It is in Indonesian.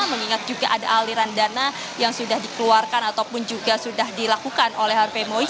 mengingat juga ada aliran dana yang sudah dikeluarkan ataupun juga sudah dilakukan oleh harvey moi